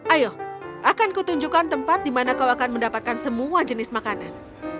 ayo akan kutunjukkan tempat di mana kau akan mendapatkan semua jenis makanan